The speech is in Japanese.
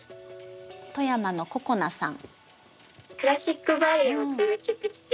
富山のここなさん。